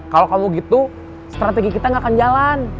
kalau kamu gitu strategi kita gak akan jalan